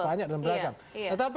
dan banyak dan beragam